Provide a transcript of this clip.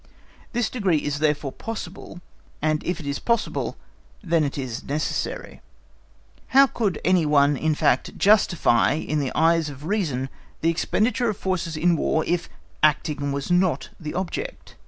This degree is therefore possible, and if it is possible then it is necessary. How could any one in fact justify in the eyes of reason the expenditure of forces in War, if acting was not the object?